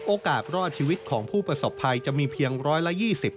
โอกาสรอดชีวิตของผู้ประสบภัยจะมีเพียงร้อยละ๒๐